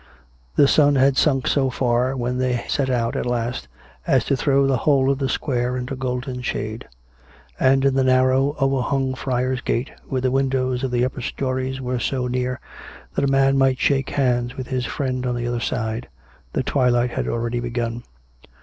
The sun had sunk so far, when they set out at last, as to throw the whole of the square into golden shade; and, in the narrow, overhung Friar's Gate, where the windows of the upper stories were so near that a man might shake hands with his friend on the other side, the twilight had already begun.